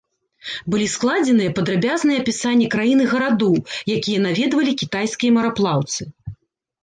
Былі складзеныя падрабязныя апісанні краін і гарадоў, якія наведвалі кітайскія мараплаўцы.